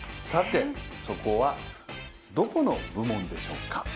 さて、そこはどこの部門でしょうか？